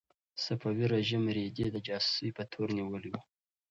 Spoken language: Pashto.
صفوي رژیم رېدی د جاسوسۍ په تور نیولی و.